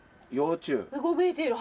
うごめいている。